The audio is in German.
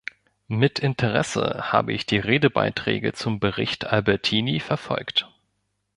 Mit Interesse habe ich die Redebeiträge zum Bericht Albertini verfolgt.